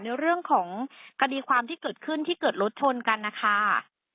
ในเรื่องของคดีความที่เกิดขึ้นที่เกิดรถชนกันนะคะ